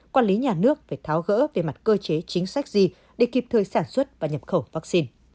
quản lý nhà nước phải tháo gỡ về mặt cơ chế chính sách gì để kịp thời sản xuất và nhập khẩu vaccine